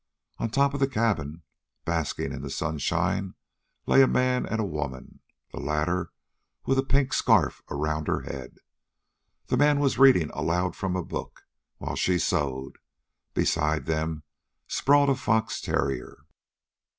On top of the cabin, basking in the sunshine, lay a man and woman, the latter with a pink scarf around her head. The man was reading aloud from a book, while she sewed. Beside them sprawled a fox terrier.